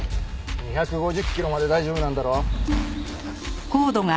２５０キロまで大丈夫なんだろ？